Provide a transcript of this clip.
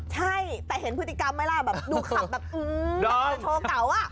ใช่แต่เห็นพฤติกรรมไว้แหละแบบดูขับแบบอื้อแบบโชว์เก่าอะ